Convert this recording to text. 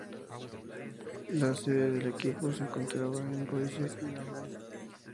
La sede del equipo se encontraba en Boise, Idaho.